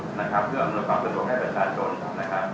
ประการที่๓ก็ปรับเร่าถนน